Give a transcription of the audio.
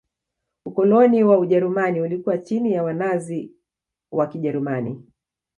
ukoloni wa ujerumani ulikuwa chini ya wanazi wa kijerumani